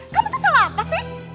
kamu tuh salah apa sih